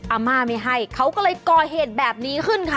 อาม่าไม่ให้เขาก็เลยก่อเหตุแบบนี้ขึ้นค่ะ